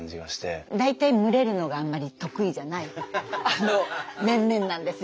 大体群れるのがあんまり得意じゃない面々なんですよ。